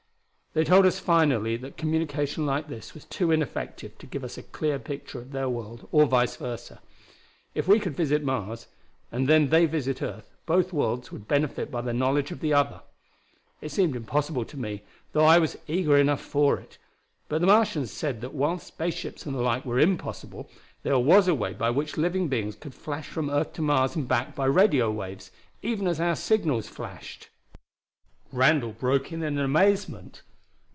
"They told us finally that communication like this was too ineffective to give us a clear picture of their world, or vice versa. If we could visit Mars, and then they visit earth, both worlds would benefit by the knowledge of the other. It seemed impossible to me, though I was eager enough for it. But the Martians said that while spaceships and the like were impossible, there was a way by which living beings could flash from earth to Mars and back by radio waves, even as our signals flashed!" Randall broke in in amazement.